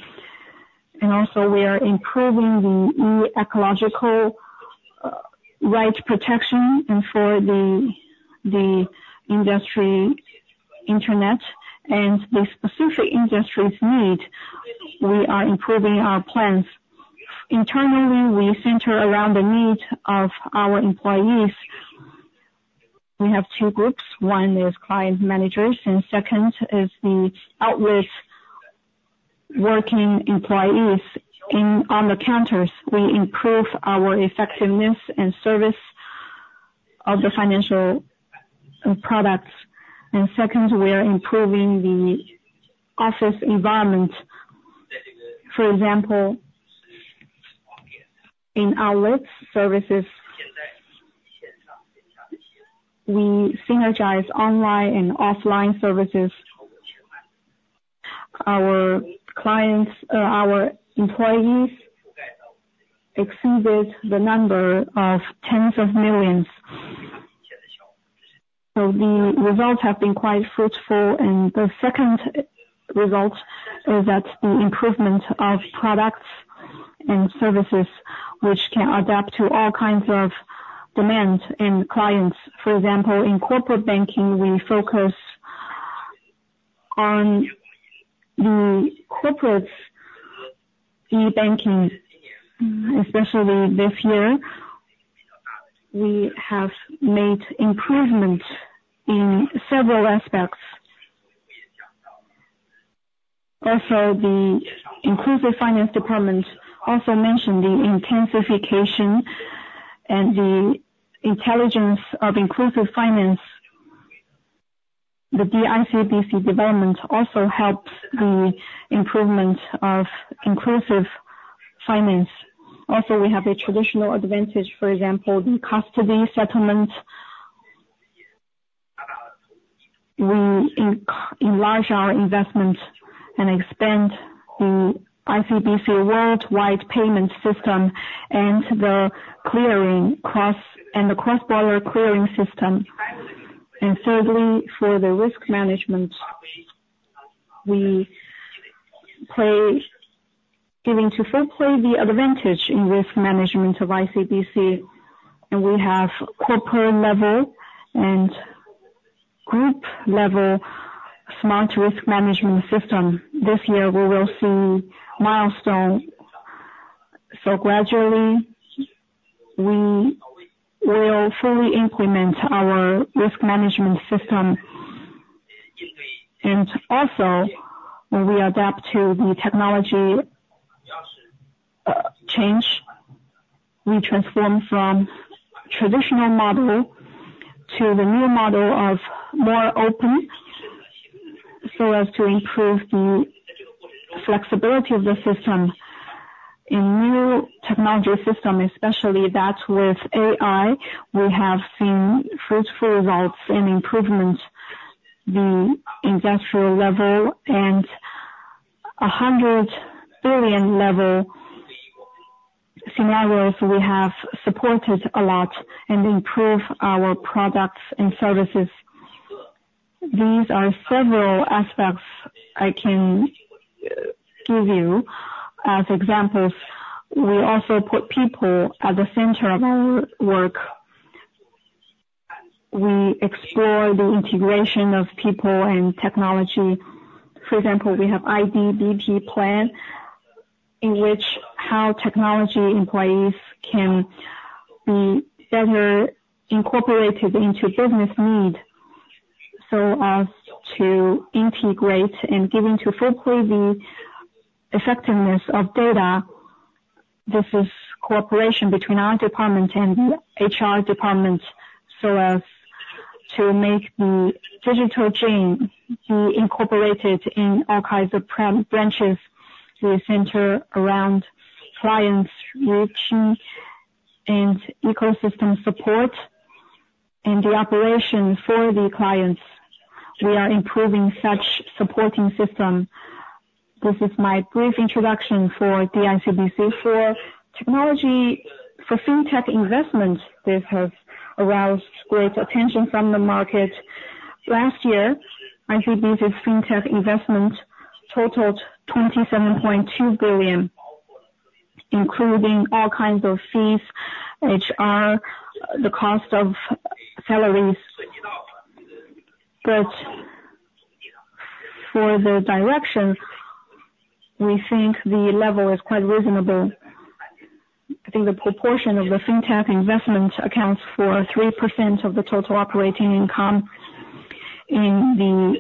and also, we are improving the ecological rights protection and for the industrial internet and the specific industries' need. We are improving our plans. Internally, we center around the needs of our employees. We have two groups. One is client managers, and second is the outward working employees on the counters. We improve our effectiveness and service of the financial products, and second, we are improving the office environment. For example, in outlet services, we synergize online and offline services. Our employees exceeded the number of tens of millions, so the results have been quite fruitful, and the second result is that the improvement of products and services, which can adapt to all kinds of demand and clients. For example, in corporate banking, we focus on the corporate e-banking, especially this year. We have made improvements in several aspects. Also, the inclusive finance department also mentioned the intensification and the intelligence of inclusive finance. The ICBC development also helps the improvement of inclusive finance. Also, we have a traditional advantage. For example, the custody settlement. We enlarge our investment and expand the ICBC worldwide payment system and the clearing and the cross-border clearing system. And thirdly, for the risk management, we give full play to the advantage in risk management of ICBC. And we have corporate-level and group-level smart risk management system. This year, we will see milestones. So gradually, we will fully implement our risk management system. And also, when we adapt to the technology change, we transform from traditional model to the new model of more open so as to improve the flexibility of the system in new technology systems, especially that with AI, we have seen fruitful results and improvement. The industrial level and 100 billion level scenarios we have supported a lot and improved our products and services. These are several aspects I can give you as examples. We also put people at the center of our work. We explore the integration of people and technology. For example, we have ITBP plan in which how technology employees can be better incorporated into business need so as to integrate and giving to full play the effectiveness of data. This is cooperation between our department and the HR department so as to make the digital chain be incorporated in all kinds of branches. We center around clients reaching and ecosystem support and the operation for the clients. We are improving such supporting system. This is my brief introduction for the ICBC. For fintech investment, this has aroused great attention from the market. Last year, ICBC's fintech investment totaled 27.2 billion, including all kinds of fees, HR, the cost of salaries. But for the direction, we think the level is quite reasonable. I think the proportion of the fintech investment accounts for 3% of the total operating income. In the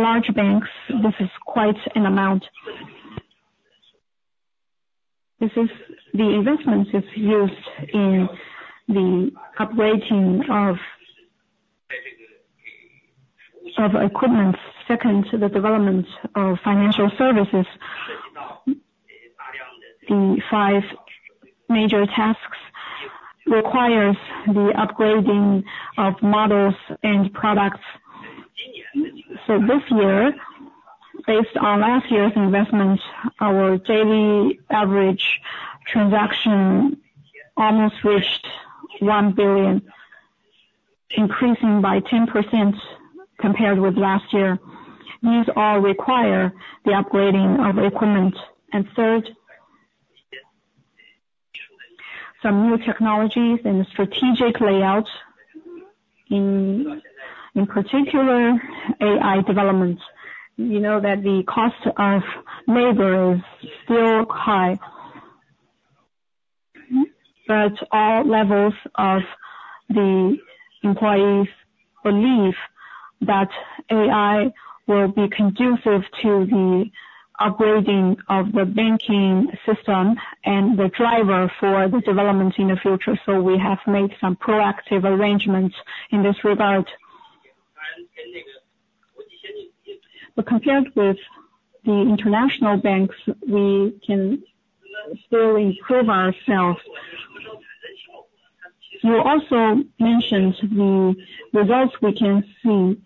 large banks, this is quite an amount. The investment is used in the upgrading of equipment. Second, the development of financial services. The five major tasks require the upgrading of models and products. So this year, based on last year's investment, our daily average transaction almost reached one billion, increasing by 10% compared with last year. These all require the upgrading of equipment. And third, some new technologies and strategic layouts, in particular, AI development. You know that the cost of labor is still high, but all levels of the employees believe that AI will be conducive to the upgrading of the banking system and the driver for the development in the future. So we have made some proactive arrangements in this regard. But compared with the international banks, we can still improve ourselves. You also mentioned the results we can see.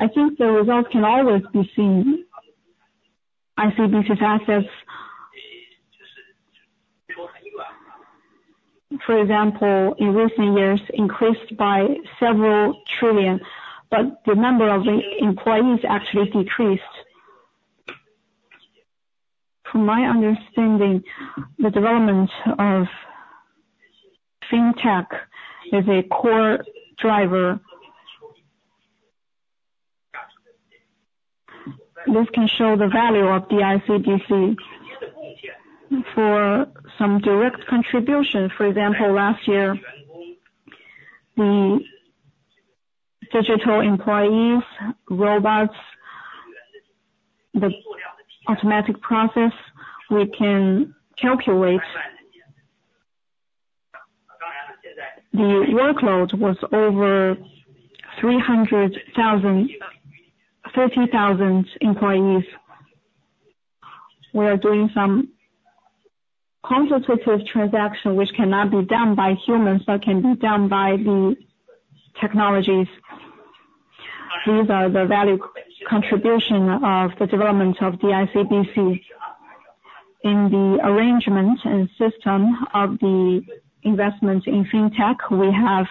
I think the results can always be seen. ICBC's assets, for example, in recent years, increased by several trillion, but the number of employees actually decreased. From my understanding, the development of fintech is a core driver. This can show the value of the ICBC for some direct contribution. For example, last year, the digital employees, robots, the automatic process, we can calculate the workload was over 30,000 employees. We are doing some quantitative transaction, which cannot be done by humans but can be done by the technologies. These are the value contribution of the development of the ICBC. In the arrangement and system of the investment in fintech, we have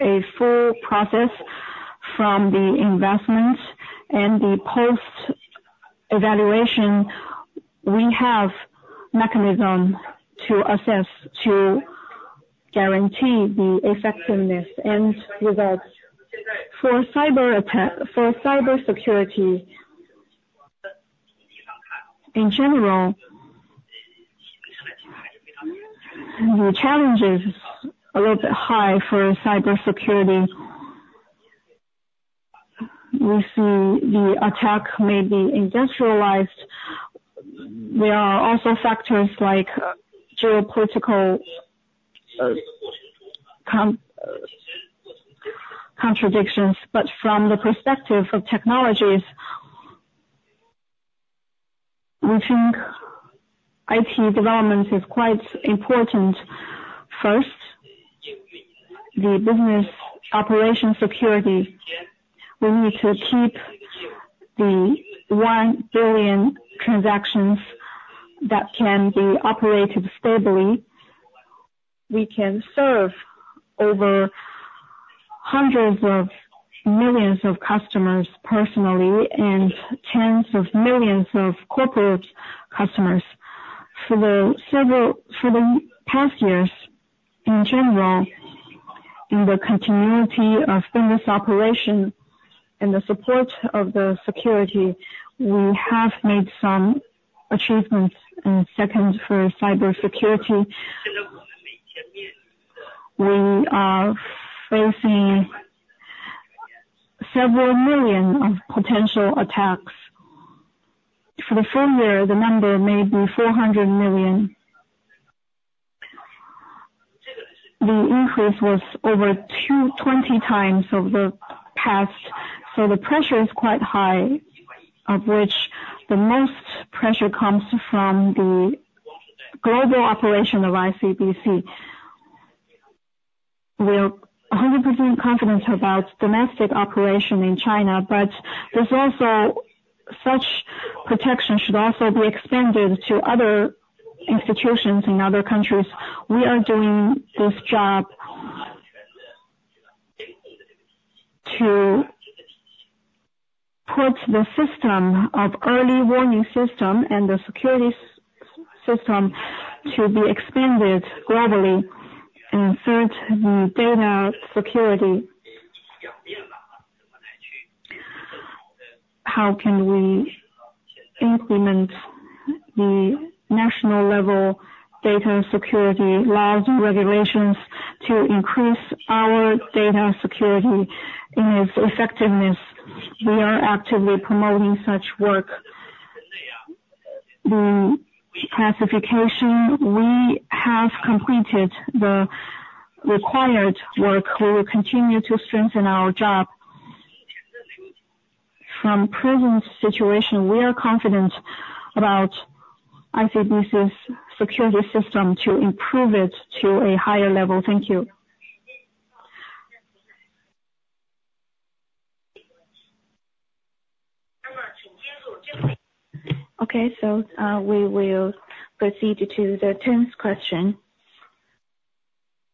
a full process from the investment and the post-evaluation. We have a mechanism to assess to guarantee the effectiveness and results. For cybersecurity, in general, the challenge is a little bit high for cybersecurity. We see the attack may be industrialized. There are also factors like geopolitical contradictions, but from the perspective of technologies, we think IT development is quite important. First, the business operation security. We need to keep the one billion transactions that can be operated stably. We can serve over hundreds of millions of customers personally and tens of millions of corporate customers. For the past years, in general, in the continuity of business operation and the support of the security, we have made some achievements, and second, for cybersecurity, we are facing several million potential attacks. For the full year, the number may be 400 million. The increase was over 20 times of the past, so the pressure is quite high, of which the most pressure comes from the global operation of ICBC. We are 100% confident about domestic operation in China, but there's also such protection should also be expanded to other institutions in other countries. We are doing this job to put the system of early warning system and the security system to be expanded globally. And third, the data security. How can we implement the national level data security laws and regulations to increase our data security and its effectiveness? We are actively promoting such work. The classification, we have completed the required work. We will continue to strengthen our job. From the present situation, we are confident about ICBC's security system to improve it to a higher level. Thank you. Okay. So we will proceed to the 10th question.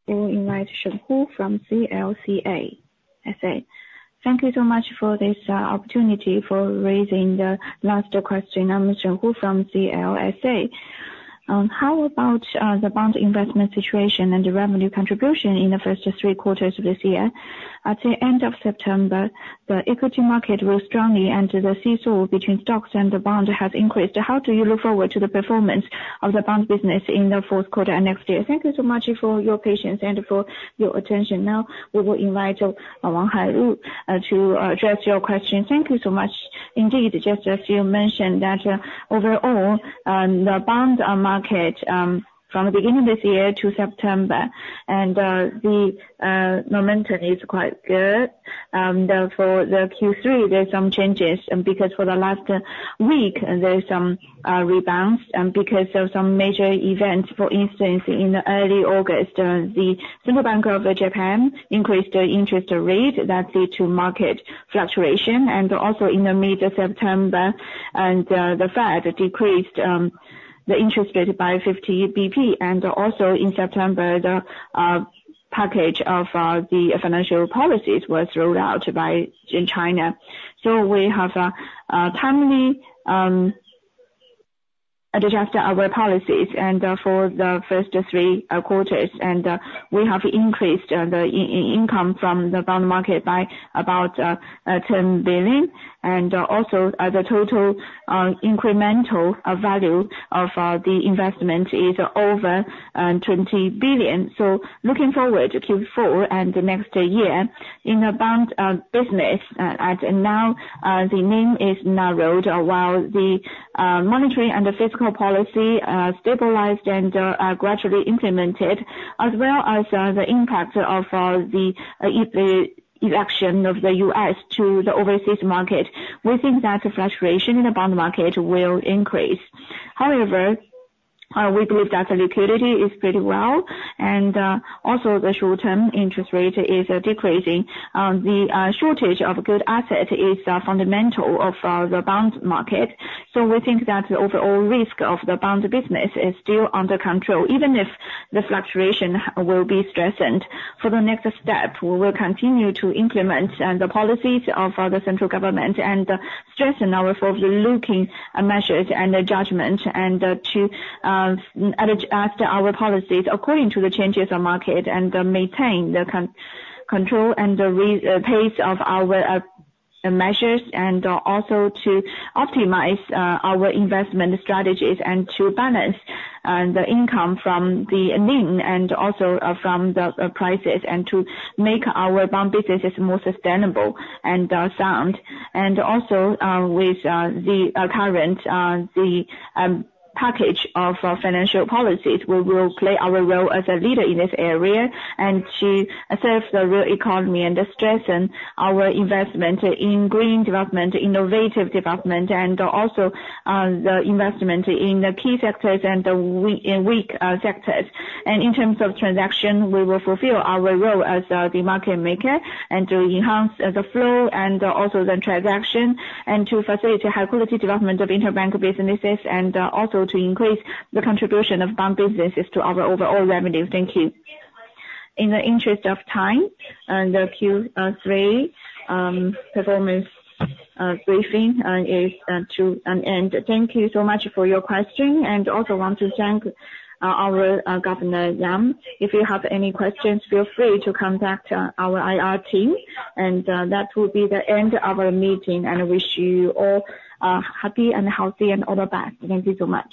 We invite Shengbo Hu from CLSA. Thank you so much for this opportunity for raising the last question. I'm Shengbo Hu from CLSA. How about the bond investment situation and the revenue contribution in the first three quarters of this year? At the end of September, the equity market will strongly enter the seesaw between stocks and the bond has increased. How do you look forward to the performance of the bond business in the fourth quarter and next year? Thank you so much for your patience and for your attention. Now, we will invite Wang Haiwu to address your question. Thank you so much. Indeed, just as you mentioned that overall, the bond market from the beginning of this year to September, and the momentum is quite good. For the Q3, there are some changes because for the last week, there are some rebounds because of some major events. For instance, in early August, the Bank of Japan increased the interest rate that led to market fluctuation. And also in mid-September, the Fed decreased the interest rate by 50 basis points. And also in September, the package of the financial policies was rolled out in China. We have timely adjusted our policies for the first three quarters. We have increased the income from the bond market by about 10 billion. The total incremental value of the investment is over 20 billion. Looking forward to Q4 and the next year in the bond business, now the name is narrowed while the monetary and the fiscal policy stabilized and gradually implemented, as well as the impact of the election in the U.S. to the overseas market. We think that the fluctuation in the bond market will increase. However, we believe that the liquidity is pretty well, and also the short-term interest rate is decreasing. The shortage of good assets is fundamental of the bond market. So we think that the overall risk of the bond business is still under control, even if the fluctuation will be strengthened. For the next step, we will continue to implement the policies of the central government and strengthen our forward-looking measures and judgment and to adjust our policies according to the changes of market and maintain the control and the pace of our measures and also to optimize our investment strategies and to balance the income from the NIM and also from the prices and to make our bond businesses more sustainable and sound. And also, with the current package of financial policies, we will play our role as a leader in this area and to serve the real economy and strengthen our investment in green development, innovative development, and also the investment in the key sectors and the weak sectors. And in terms of transaction, we will fulfill our role as the market maker and to enhance the flow and also the transaction and to facilitate high-quality development of interbank businesses and also to increase the contribution of bond businesses to our overall revenue. Thank you. In the interest of time, the Q3 performance briefing draws to an end. Thank you so much for your question. And also want to thank our Governor Yang. If you have any questions, feel free to contact our IR team. And that will be the end of our meeting. I wish you all happy and healthy and all the best. Thank you so much.